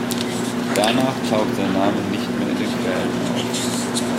Danach taucht sein Name nicht mehr in den Quellen auf.